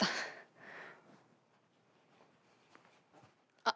あっ。